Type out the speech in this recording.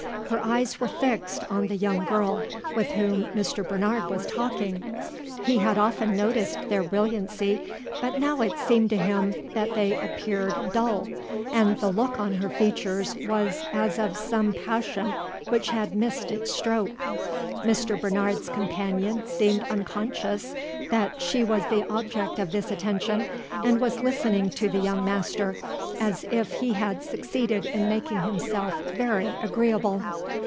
Her eyes were fixed on the young girl with whom Mr. Bernard was talking. He had often noticed their brilliancy, but now it seemed to him that they appeared dull, and the look on her features was as of some passion which had missed its stroke. Mr. Bernard's companion seemed unconscious that she was the object of this attention, and was listening to the young master as if he had succeeded in making himself very agreeable.